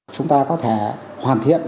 chúng ta có thể hoàn thiện